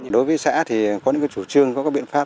đối với xã thì có những chủ trương có các biện pháp